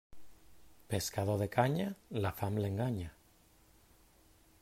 Pescador de canya, la fam l'enganya.